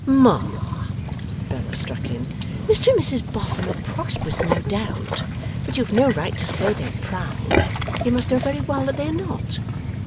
'Ma,' Bella struck in, 'Mr and Mrs Boffin are prosperous, no doubt; but you have no right to say they are proud. You must know very well that they are not.